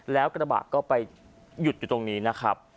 แล้วกระบะก็ไปหยุดอยู่ตรงนี้นะครับ